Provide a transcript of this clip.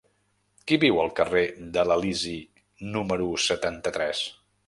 Qui viu al carrer de l'Elisi número setanta-tres?